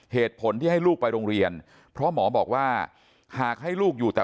เหตุผลที่ให้ลูกไปโรงเรียนเพราะหมอบอกว่าหากให้ลูกอยู่แต่